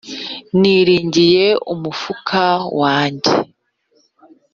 Niringiye umufuka wanjye